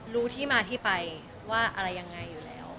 รู้ที่มาที่ไปว่าอะไรยังไงอยู่แล้ว